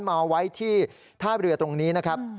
มาไว้ที่ท่าเรือตรงนี้นะครับ